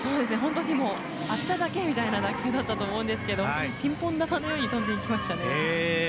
当てただけの打球だったと思うんですがピンポン玉のように飛んでいきましたね。